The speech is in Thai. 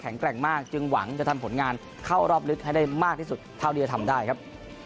แกร่งมากจึงหวังจะทำผลงานเข้ารอบลึกให้ได้มากที่สุดเท่าที่จะทำได้ครับ